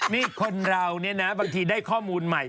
นี่คนเราเนี่ยนะบางทีได้ข้อมูลใหม่